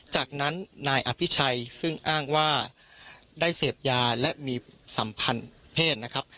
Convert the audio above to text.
จากนั้นนายอภิชัยซึ่งอ้างว่าได้เสพยาและมีสัมพันธ์เพศนะครับ